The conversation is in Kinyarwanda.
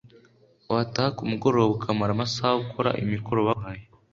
wataha ku mugoroba ukamara amasaha ukora imikoro baguhaye